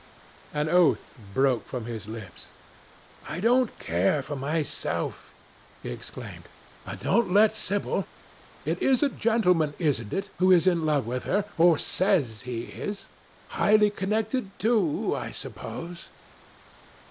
An oath broke from his lips. "I don't care for myself," he exclaimed, "but don't let Sibyl.... It is a gentleman, isn't it, who is in love with her, or says he is? Highly connected, too, I suppose."